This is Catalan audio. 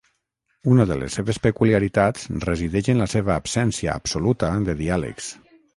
Una de les seves peculiaritats resideix en la seva absència absoluta de diàlegs.